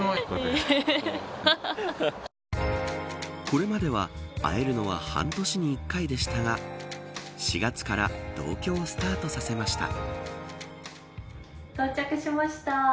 これまでは、会えるのは半年に１回でしたが４月から同居をスタートさせました。